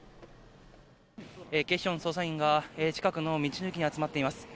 警視庁の捜査員が、近くの道の駅に集まっています。